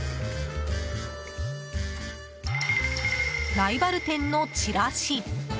ライバル店のチラシ。